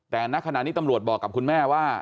แต่ณขณะนี้ตำรวจบอกกับคุณแม่ว่า